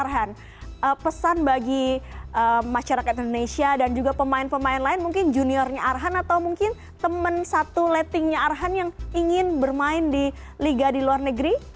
arhan pesan bagi masyarakat indonesia dan juga pemain pemain lain mungkin juniornya arhan atau mungkin teman satu lettingnya arhan yang ingin bermain di liga di luar negeri